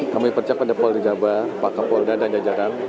kami percaya pada polda jawa barat pakar polda dan jajaran